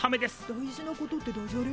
大事なことってダジャレ？